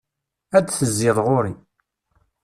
Ad d-tezziḍ ɣur-i.